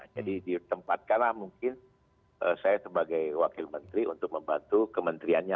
jadi ditempatkanlah mungkin saya sebagai wakil menteri untuk membantu kementeriannya